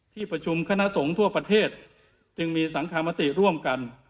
ที่ประชุมคณะสงฆ์ทั่วประเทศจึงมีสังคมติร่วมกัน